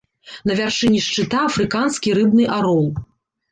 На вяршыні шчыта афрыканскі рыбны арол.